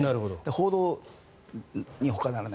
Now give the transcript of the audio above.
報道にほかならない。